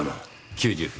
９０秒。